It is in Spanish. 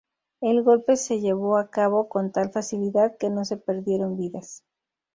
El golpe se llevó a cabo con tal facilidad que no se perdieron vidas.